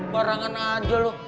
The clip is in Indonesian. barangan aja lu